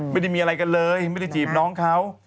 ไม่ได้มีอะไรกันเลยไม่ได้จีบน้องเขา